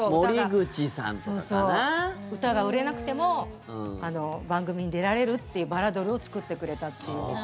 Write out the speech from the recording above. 歌が売れなくても番組に出られるっていうバラドルを作ってくれたっていう。